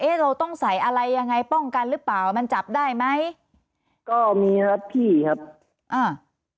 เราต้องใส่อะไรยังไงป้องกันหรือเปล่ามันจับได้ไหมก็มีครับพี่ครับอ่า